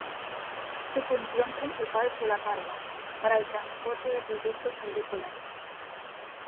Su función principal fue la carga, para el transporte de productos agrícolas.